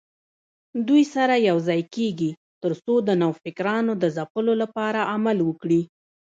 دوی سره یوځای کېږي ترڅو د نوفکرانو د ځپلو لپاره عمل وکړي